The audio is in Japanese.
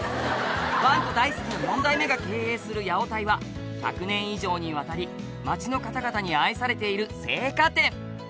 「ワンコ大好きの４代目が経営する八百泰は１００年以上にわたり町の方々に愛されている青果店」